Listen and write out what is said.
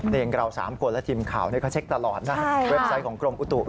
เองเรา๓คนและทีมข่าวก็เช็คตลอดนะเว็บไซต์ของกรมอุตุ